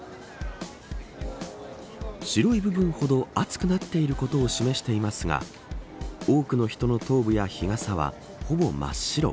白い部分ほど熱くなっていることを示していますが多くの人の頭部や日傘はほぼ真っ白。